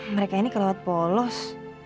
mereka ini keluar polos